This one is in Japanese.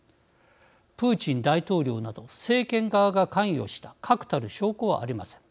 プーチン大統領など政権側が関与した確たる証拠はありません。